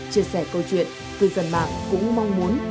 chia sẻ câu chuyện cư dân mạng cũng mong muốn